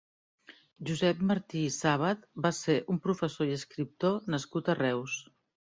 Josep Martí i Sàbat va ser un professor i escriptor nascut a Reus.